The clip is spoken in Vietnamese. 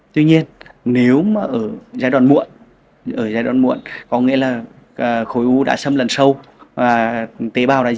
tuy nhiên nếu mà ở giai đoạn muộn ở giai đoạn muộn có nghĩa là khối u đã sâm lần sâu và tế bào đã di căn hạch hay là các cơ quan khác